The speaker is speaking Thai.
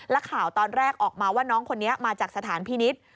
และข่าวตอนแรกออกมาว่าน้องคนนี้มาจากสถานพินิษฐ์